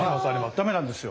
ダメなんですよ。